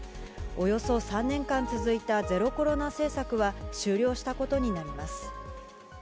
およそ３年間続いたゼロコロナ政策は、終了したことになります。